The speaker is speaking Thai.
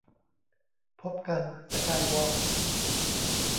พบกัน สกายวอล์ค